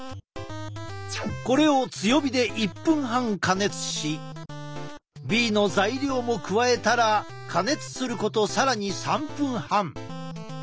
これを強火で１分半加熱しＢの材料も加えたら加熱すること更に３分半。